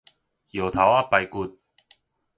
藥頭仔排骨